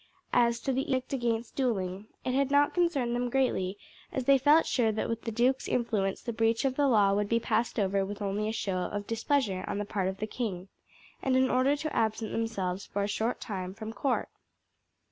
As to the edict against duelling, it had not concerned them greatly, as they felt sure that with the duke's influence the breach of the law would be passed over with only a show of displeasure on the part of the king, and an order to absent themselves for a short time from court.